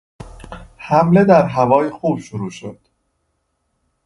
حمله در هوای خوب شروع شد.